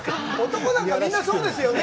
男なんか、みんな、そうですよね。